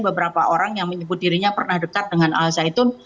beberapa orang yang menyebut dirinya pernah dekat dengan al zaitun